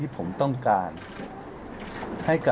พร้อมแล้วเลยค่ะ